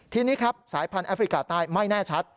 ทีนี้ครับสายพันธุแอฟริกาใต้ไม่แน่ชัด